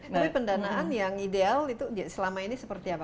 tapi pendanaan yang ideal itu selama ini seperti apa